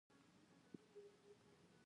که پانګوال د ورځني کار وخت زیات کړي